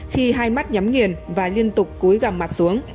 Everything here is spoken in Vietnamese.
khi hai mắt nhắm nghiền và liên tục cúi gà mặt xuống